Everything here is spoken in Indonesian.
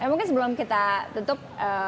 mungkin sebelum kita tutup